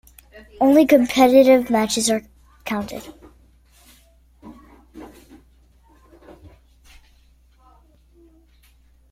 Only competitive matches are counted.